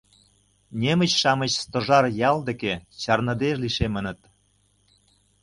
Немыч-шамыч Стожар ял деке чарныде лишемыныт